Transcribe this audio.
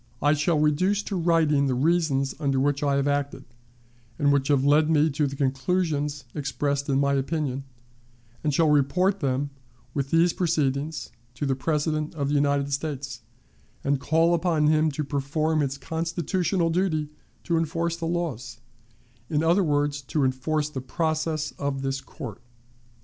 "I shall reduce to writing the reasons under which I have acted, and which have led me to the conclusions expressed in my opinion, and shall report them, with these proceedings, to the President of the United States, and call upon him to perform his constitutional duty to enforce the laws; in other words, to enforce the process of this court."